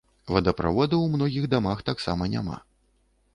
Водаправода ў многіх дамах таксама няма.